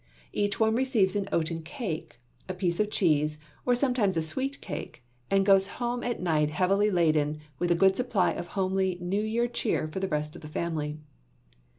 Each one receives an oaten cake, a piece of cheese, or sometimes a sweet cake, and goes home at night heavily laden with a good supply of homely New Year cheer for the rest of the family.